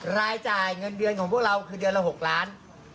รายจ่ายเงินเดือนของพวกเราคือเดือนละ๖ล้าน